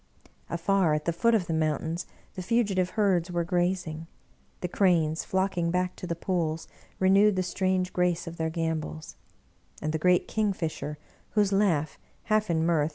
Afar, at the foot of the moun tains, the fugitive herds were grazing ; the cranes, flocking back to the pools, renewed the strange grace of their gam bols ; and the great kingfisher, whose laugh, half in mirth